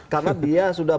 karena dia sudah